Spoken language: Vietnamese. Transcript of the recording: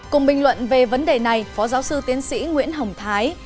cùng bình luận về vấn đề này phó giáo sư tiến sĩ nguyễn hồng thái